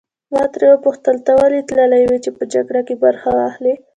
ما ترې وپوښتل ته ولې تللی وې چې په جګړه کې برخه واخلې.